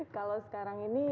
kalau sekarang ini